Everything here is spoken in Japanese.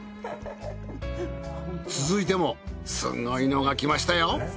続いてもすごいのがきましたよ。